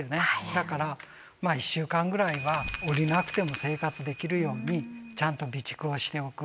だから１週間ぐらいは下りなくても生活できるようにちゃんと備蓄をしておく。